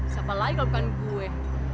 siapa lagi bukan gue